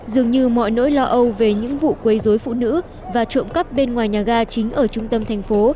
dường như mọi nỗi lo âu về những vụ quấy dối phụ nữ và trộm cắp bên ngoài nhà ga chính ở trung tâm thành phố